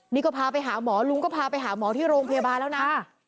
นี่ก็พาไปหาหมอลุงก็พาไปหาหมอที่โรงพยาบาลแล้วนะ